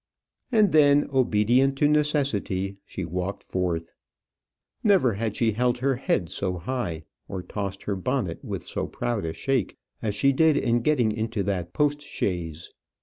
And then, obedient to necessity, she walked forth. Never had she held her head so high, or tossed her bonnet with so proud a shake, as she did in getting into that post chaise.